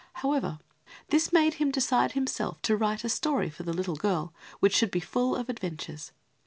However, this made him decide himself to write a story for the little girl, which should be full of adventures.